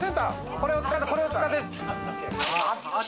これを使ってこれを使って！